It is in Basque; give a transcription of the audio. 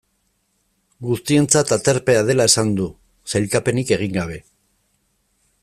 Guztientzat aterpea dela esan du, sailkapenik egin gabe.